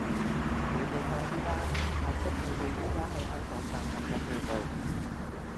你哋快啲啦!阿叔佢哋而家喺香港站等緊你哋